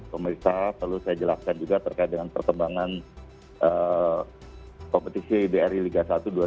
pemerintah selalu saya jelaskan juga terkait dengan perkembangan kompetisi dri liga satu dua ribu dua puluh satu dua ribu dua puluh dua